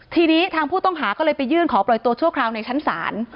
ทีนี้ทางผู้ต้องหาก็เลยไปยื่นขอปล่อยตัวชั่วคราวในชั้นศาล